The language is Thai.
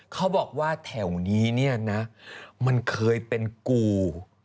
เขาบอกว่าแถวนี้เนี่ยนะมันเคยเป็นกู